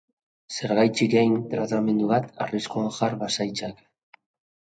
Zergatik egin tratamendu bat, arriskuan jar bazaitzake?